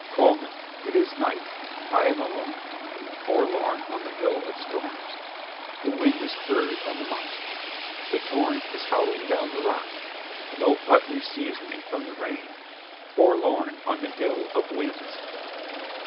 "Colma. It is night: I am alone, forlorn on the hill of storms. The wind is heard on the mountain. The torrent is howling down the rock. No hut receives me from the rain: forlorn on the hill of winds!